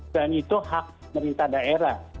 dan itu hak pemerintah daerah